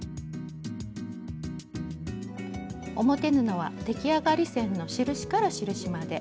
表布は出来上がり線の印から印まで。